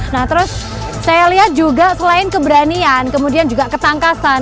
nah terus saya lihat juga selain keberanian kemudian juga ketangkasan